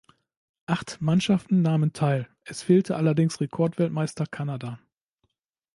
Acht Mannschaften nahmen teil, es fehlte allerdings Rekordweltmeister Kanada.